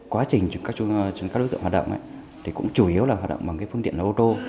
quá trình cho các đối tượng hoạt động cũng chủ yếu là hoạt động bằng phương tiện ô tô